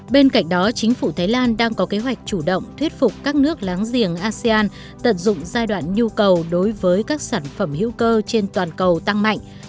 bên cạnh đó chính phủ thái lan đang có kế hoạch chủ động thuyết phục các nước láng giềng asean tận dụng giai đoạn nhu cầu đối với các sản phẩm hữu cơ trên toàn cầu tăng mạnh